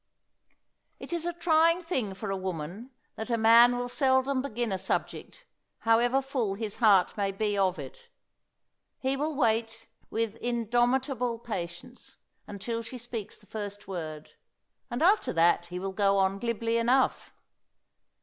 It is a trying thing for a woman that a man will seldom begin a subject, however full his heart may be of it. He will wait, with indomitable patience, until she speaks the first word, and after that he will go on glibly enough.